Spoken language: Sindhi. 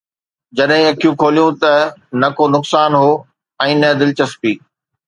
جڏهن اکيون کوليون ته نه ڪو نقصان هو ۽ نه دلچسپي